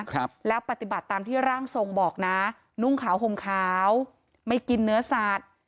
ครับแล้วปฏิบัติตามที่ร่างทรงบอกนะนุ่งขาวห่มขาวไม่กินเนื้อสัตว์